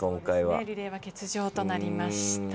リレーは欠場となりました。